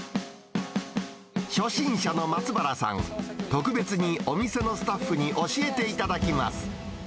初心者の松原さん、特別にお店のスタッフに教えていただきます。